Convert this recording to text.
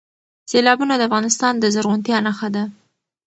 سیلابونه د افغانستان د زرغونتیا نښه ده.